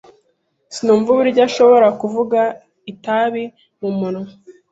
Sinumva uburyo ashobora kuvuga itabi mumunwa.